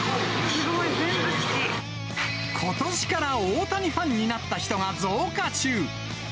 すごい、ことしから大谷ファンになった人が増加中。